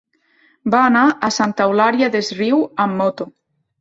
Va anar a Santa Eulària des Riu amb moto.